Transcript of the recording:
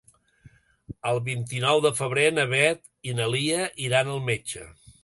El vint-i-nou de febrer na Beth i na Lia iran al metge.